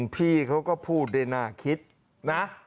พี่เขาก็พูดได้น่าคิดนะ